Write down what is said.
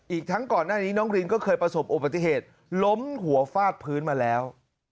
อีกทั้งก่อนหน้านี้น้องรินก็เคยประสบอุบัติเหตุล้มหัวฟาดพื้นมาแล้ว